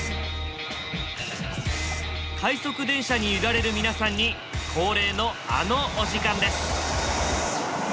快速電車に揺られる皆さんに恒例のあのお時間です。